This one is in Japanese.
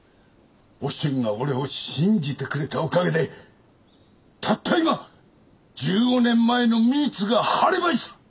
お俊が俺を信じてくれたおかげでたった今１５年前の無実が晴れました！